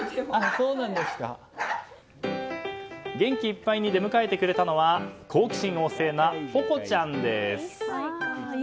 元気いっぱいに出迎えてくれたのは好奇心旺盛なぽこちゃんです。